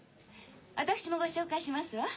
私もご紹介しますわ。